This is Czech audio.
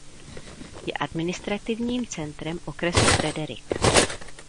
Je administrativním centrem okresu Frederick.